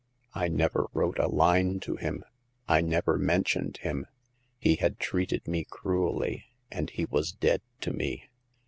I never wrote a line to him ; I never mentioned him. He had treated me cruelly, and he was dead to me.